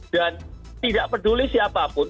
dan tidak peduli siapapun